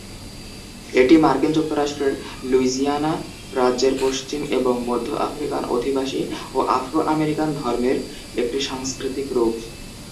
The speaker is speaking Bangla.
এটি মার্কিন যুক্তরাষ্ট্রের লুইসিয়ানা রাজ্যের পশ্চিম এবং মধ্য আফ্রিকান অধিবাসী ও আফ্রো আমেরিকান ধর্মের একটি সাংস্কৃতিক রূপ।